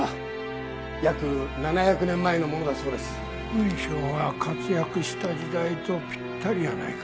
雲尚が活躍した時代とぴったりやないか。